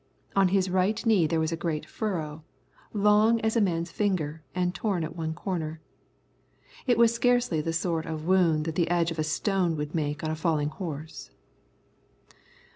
On his right knee there was a great furrow, long as a man's finger and torn at one corner. It was scarcely the sort of wound that the edge of a stone would make on a falling horse.